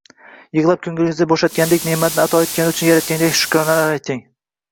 Yig’lab ko’nglingizni bo’shatishdek ne’matni ato etgani uchun Yaratganga shukronalar qiling!